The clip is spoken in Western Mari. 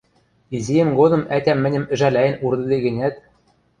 Изиэм годым ӓтям мӹньӹм ӹжӓлӓен урдыде гӹнят